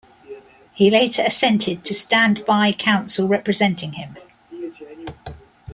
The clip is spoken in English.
He later assented to standby counsel representing him.